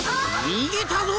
にげたぞ！